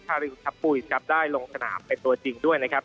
คาริอยุะปุหิตได้ลงสนามเป็นตัวจริงด้วย